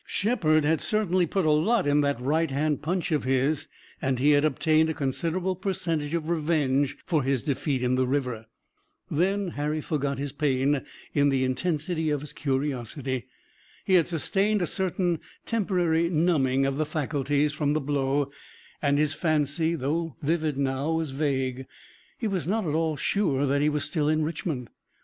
Shepard had certainly put a lot in that right hand punch of his and he had obtained a considerable percentage of revenge for his defeat in the river. Then Harry forgot his pain in the intensity of his curiosity. He had sustained a certain temporary numbing of the faculties from the blow and his fancy, though vivid now, was vague. He was not at all sure that he was still in Richmond.